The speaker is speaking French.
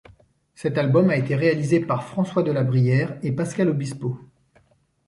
Cet album a été réalisé par François Delabrière et Pascal Obispo.